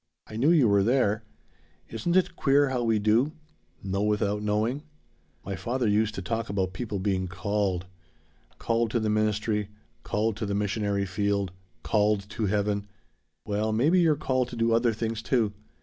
I knew you were there. Isn't it queer how we do know without knowing? My father used to talk about people being 'called.' Called to the ministry called to the missionary field called to heaven. Well maybe you're called to other things, too.